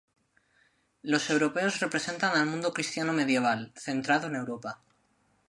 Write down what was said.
Los europeos representan el mundo cristiano medieval, centrado en Europa.